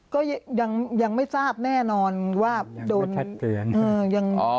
ก็ยังไม่ทราบแน่นอนว่าโดน